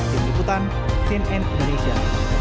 keputusan sinn indonesia